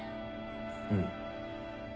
うん。